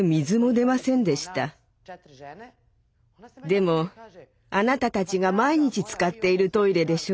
でも「あなたたちが毎日使っているトイレでしょう？